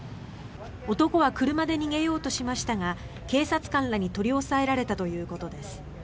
男は車で逃げようとしましたが警察官らに取り押さえられたということです。